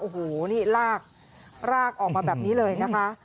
โอ้โหนี่ลากลากออกมาแบบนี้เลยนะคะ